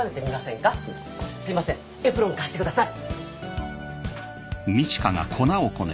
すいませんエプロンを貸してください